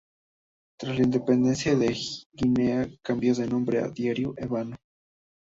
Tras la independencia de Guinea cambió su nombre a "Diario Ébano".